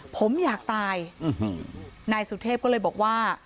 ผมอยากตายนายสุเทพก็เลยบอกว่า